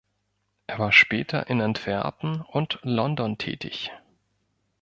Er war später in Antwerpen und London tätig.